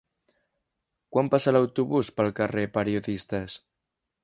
Quan passa l'autobús pel carrer Periodistes?